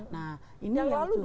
nah ini yang justru